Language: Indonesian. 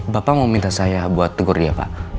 bapak mau minta saya buat tegur dia pak